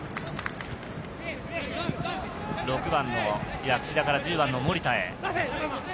６番の薬師田から１０番の森田へ。